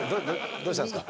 どうしたんですか？